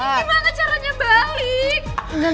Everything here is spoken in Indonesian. gimana caranya balik